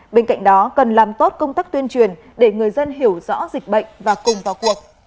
bên cạnh đó cần làm tốt công tác tuyên truyền để người dân hiểu rõ dịch bệnh và cùng vào cuộc